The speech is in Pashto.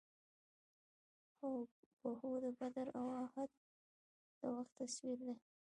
هو بهو د بدر او اُحد د وخت تصویر یې.